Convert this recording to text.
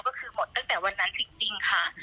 ก็คือหมดตั้งแต่วันนั้นจริงค่ะ